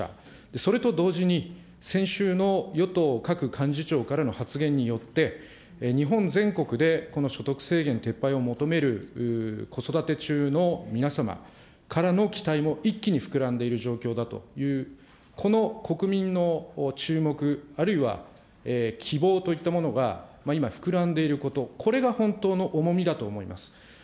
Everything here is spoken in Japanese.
それと同時に、先週の与党各幹事長からの発言によって、日本全国で、この所得制限撤廃を求める子育て中の皆様からの期待も一気に膨らんでいる状況だという、この国民の注目、あるいは希望といったものが今、膨らんでいること、これが本当の重みだと思います。